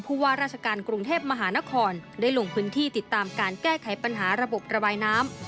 เพื่อใช้ไขปัญหาระบบระบายน้ำ